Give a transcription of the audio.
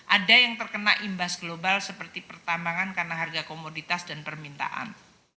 ada yang terkena imbas global seperti pertambangan karena harga komoditas dan permintaan